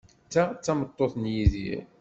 Ta d tameṭṭut n Yidir.